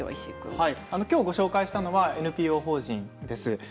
きょうご紹介したのはＮＰＯ法人です。